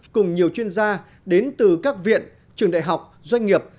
cùng nhiều chuyên gia đến từ các viện trường đại học doanh nghiệp